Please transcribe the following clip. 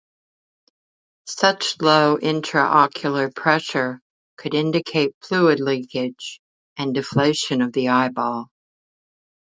Such low intraocular pressure could indicate fluid leakage and deflation of the eyeball.